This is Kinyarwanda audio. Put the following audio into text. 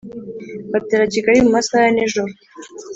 Batera Kigali mu masaha ya nijoro